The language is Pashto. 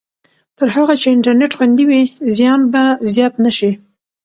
تر هغه چې انټرنېټ خوندي وي، زیان به زیات نه شي.